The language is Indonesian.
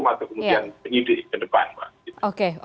maka kemudian penyidik ke depan